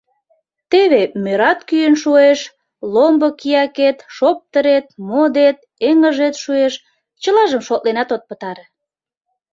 Теве мӧрат кӱын шуэш, ломбо киякет, шоптырет, модет, эҥыжет шуэш, — чылажым шотленат от пытаре.